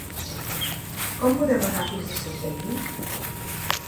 Com podem anar fins a Santanyí?